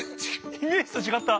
イメージと違った。